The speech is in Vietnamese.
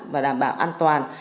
và đảm bảo an toàn